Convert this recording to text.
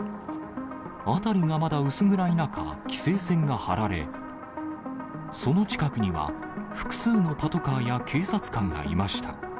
辺りがまだ薄暗い中、規制線が張られ、その近くには、複数のパトカーや警察官がいました。